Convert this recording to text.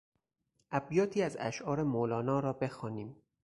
ابیاتی از اشعار مولانا را بخوانیم